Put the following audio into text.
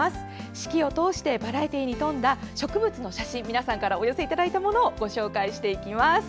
四季を通してバラエティーに富んだ植物の写真、皆さんからお寄せいただいたものをご紹介していきます。